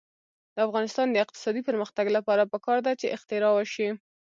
د افغانستان د اقتصادي پرمختګ لپاره پکار ده چې اختراع وشي.